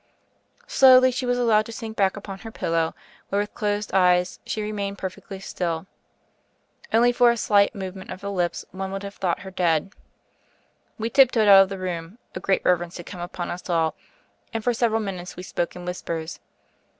Slowly she was allowed to sink back upon her pillow, where, with closed eyes, she remained perfectly still. Only for a slight movement of the lips one would have thought her dead. We tiptoed out of the room; a great rever ence had come upon us all ; and for several min utes we spoke in whispers.